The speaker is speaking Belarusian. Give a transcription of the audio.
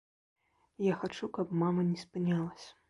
Я хачу, каб мама не спынялася.